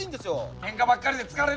ケンカばっかりで疲れる！